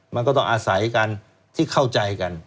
มันก็ต้องอาศัยกันที่เข้าใจกัน